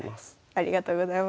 ありがとうございます。